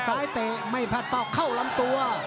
เตะไม่พัดเป้าเข้าลำตัว